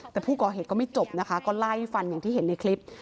แต่ผู้ก่อเหตุก็ไม่จบนะคะก็ไล่ฟันอย่างที่เห็นในคลิป